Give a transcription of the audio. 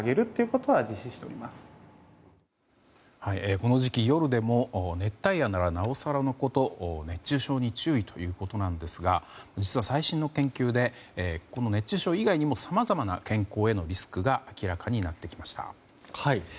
この時期夜でも熱帯夜ならなおさらのこと熱中症に注意ということなんですが実は最新の研究で熱中症以外にもさまざまな健康へのリスクが明らかになってきました。